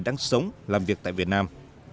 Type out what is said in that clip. đang sống làm việc tại việt nam